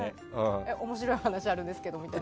面白い話あるんですけどみたいな？